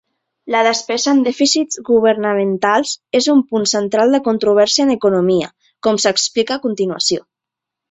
La despesa en dèficits governamentals és un punt central de controvèrsia en economia, com s'explica a continuació.